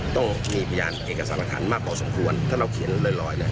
ต้องมีทหารเอกสารอาธารณ์มากพอสมควรถ้าเราเขียนโลยรอยเนี่ย